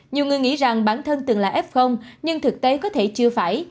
nhiều người nghĩ rằng bản thân từng là f nhưng thực tế có thể chưa phải